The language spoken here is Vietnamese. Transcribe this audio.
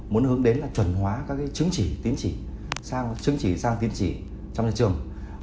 muốn hướng đến là chuẩn hóa các chứng chỉ tiến chỉ sang chứng chỉ sang tiến chỉ trong nhà trường